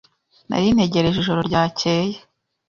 Nari ntegereje ijoro ryakeye.